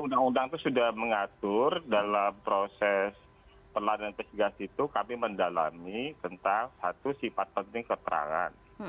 undang undang itu sudah mengatur dalam proses pelayanan investigasi itu kami mendalami tentang satu sifat penting keterangan